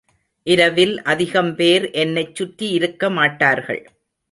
இரவில் அதிகம்பேர் என்னைச் சுற்றி இருக்கமாட்டார்கள்.